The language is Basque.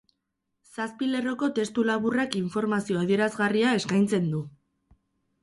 Zazpi lerroko testu laburrak informazio adierazgarria eskaintzen du.